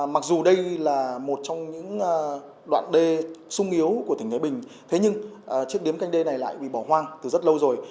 mặc dù đây là một trong những đoạn đê sung yếu của tỉnh thái bình thế nhưng chiếc điếm canh đê này lại bị bỏ hoang từ rất lâu rồi